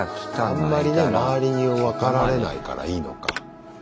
あんまりね周りに分かられないからいいのか。